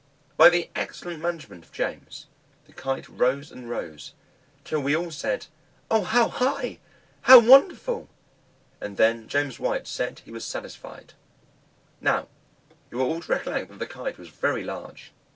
By the excellent management of James, the Kite rose and rose, till we all said, "O, how high! how wonderful!" And then James White said he was satisfied. Now you are all to recollect that this Kite was very large.